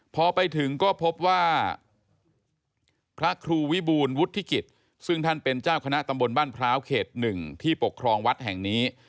พอไปถึงก็พบว่าพระครูวิบูลวุฒิกิจซึ่งท่านเป็นเจ้าคณะตำบลบ้านพร้าวเขต๑ที่ปกครองวัดแห่งนี้